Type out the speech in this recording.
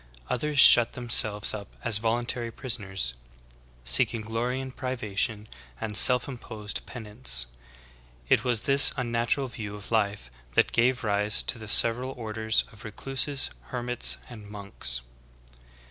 Others shut themselves up as voluntary pris oners, seeking glory in privation and self imposed penance. It was this unnatural view of life that gave rise to the sev eral orders of recluses, hermits, and monks.